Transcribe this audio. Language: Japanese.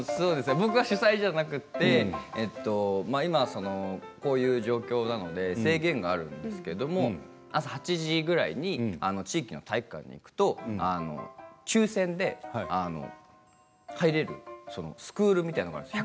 僕は主宰ではなくて今はこういう状況なので制限があるんですけど朝８時ぐらいに地域の体育館に行くと抽せんで入れるスクールみたいなのがあるんです。